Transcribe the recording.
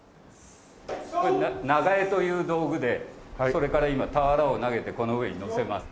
長柄という道具でそれから今俵を投げてこの上にのせます。